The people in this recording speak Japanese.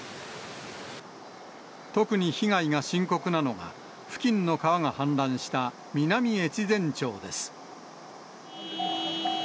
特に被害が深刻なのが、付近の川が氾濫した南越前町です。